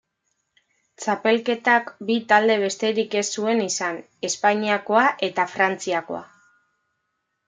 Txapelketak bi talde besterik ez zuen izan: Espainiakoa eta Frantziakoa.